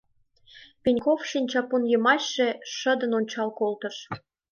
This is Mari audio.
Пеньков шинчапун йымачше шыдын ончал колтыш.